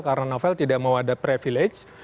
karena novel tidak mewadap privilege